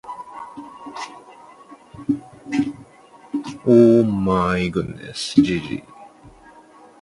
高季兴所建。